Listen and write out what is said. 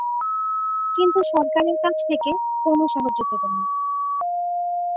কিন্তু সরকারের কাছ থেকে কোন সাহায্য পেলেন না।